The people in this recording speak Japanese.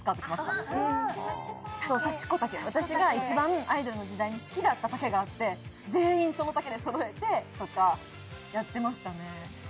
私が一番アイドルの時代に好きだった丈があって全員その丈で揃えてとかやってましたね。